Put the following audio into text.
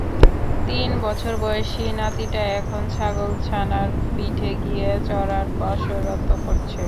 তিন বছর বয়সী নাতিটা এখন ছাগলছানার পিঠে গিয়ে চড়ার কসরত করছে।